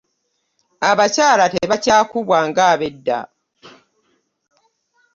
Abakyala tebakya kubwa nga abedda.